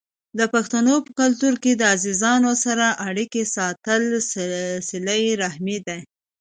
د پښتنو په کلتور کې د عزیزانو سره اړیکه ساتل صله رحمي ده.